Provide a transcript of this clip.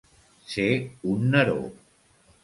Ser un Neró.